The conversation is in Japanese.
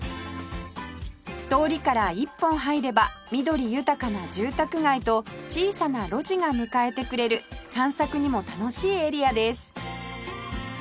通りから一本入れば緑豊かな住宅街と小さな路地が迎えてくれる散策にも楽しいエリアです